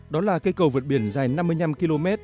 đó là cây cầu vượt biển dài năm mươi năm km